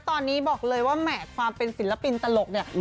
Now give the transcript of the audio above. ตอนนี้บอกเลยว่าแหม่ความเป็นศิลปินตลกเนี่ย